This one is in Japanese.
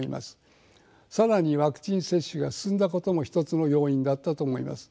更にワクチン接種が進んだことも一つの要因だったと思います。